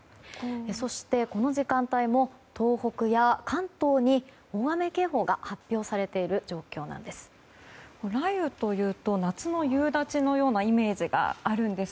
そして、この時間帯も東北や関東に大雨警報が発表されている状況です。